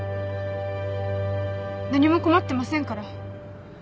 何も困ってませんから。